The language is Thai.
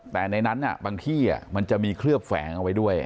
แต่ในนั้นบางที่มันจะมีเคลือบแฝงเอาไว้ด้วย